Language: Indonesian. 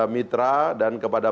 mitra dan kepada